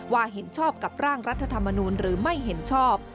เห็นชอบกับร่างรัฐธรรมนูลหรือไม่เห็นชอบ